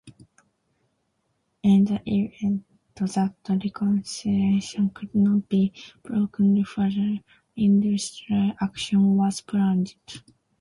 In the event that reconciliation could not be brokered, further industrial action was planned.